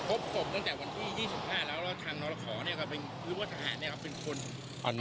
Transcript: อืม